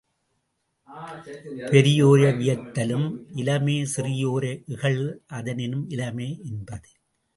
பெரியோரை வியத்தலும் இலமே சிறியோரை இகழ்தல் அதனினும் இலமே! என்பது.